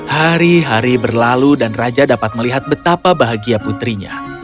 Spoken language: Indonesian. hari hari berlalu dan raja dapat melihat betapa bahagia putrinya